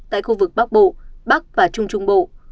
tại khu vực bắc bộ bắc và trung trung bộ